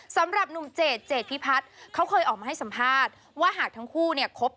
สำหรับหนุ่มเจดเจดพิพัฒน์เขาเคยออกมาให้สัมภาษณ์ว่าหากทั้งคู่เนี่ยคบ